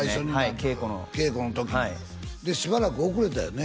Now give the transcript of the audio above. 稽古の稽古の時にでしばらく遅れたよね？